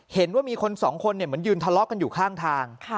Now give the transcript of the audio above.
เห็นว่ามีคนสองคนเหมือนยืนทะเลาะกันอยู่ข้างทาง